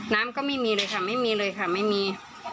น้ำก็ไม่มีเลยค่ะไม่มีเลยค่ะไม่มี